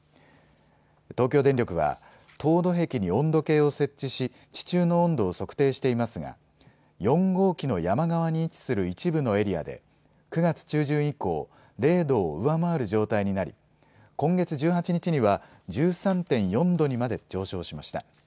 東京電力は凍土壁に温度計を設置し地中の温度を測定していますが４号機の山側に位置する一部のエリアで９月中旬以降、０度を上回る状態になり今月１８日には１３．４度にまで上昇しました。